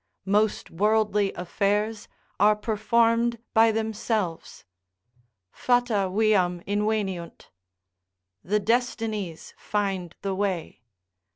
Most worldly affairs are performed by themselves "Fata viam inveniunt;" ["The destinies find the way."